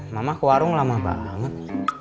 mama ke warung lama banget